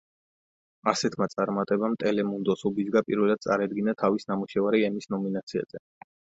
ასეთმა წარმატებამ ტელემუნდოს უბიძგა პირველად წარედგინა თავის ნამუშევარი ემის ნომინაციაზე.